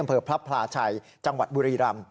อำเภอพระพลาชัยจังหวัดบุรีรำ